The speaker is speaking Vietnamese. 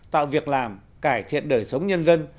tạo việc làm cải thiện đời sống nhân dân